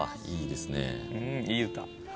いい歌。